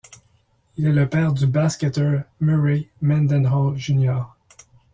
Il est le père du basketteur Murray Mendenhall Jr..